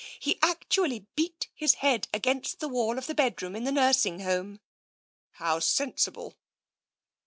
He actually beat his head against the wall of the bed room in the nursing home/' "How sensible!"